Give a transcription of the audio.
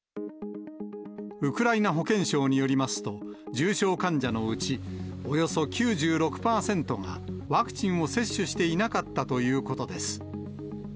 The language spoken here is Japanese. ウクライナ保健省によりますと、重症患者のうち、およそ９６％がワクチンを接種していなかったということです。